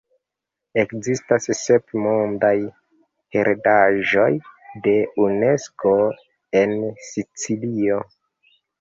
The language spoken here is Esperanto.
Ekzistas sep mondaj heredaĵoj de Unesko en Sicilio.